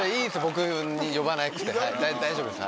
僕呼ばなくて大丈夫です。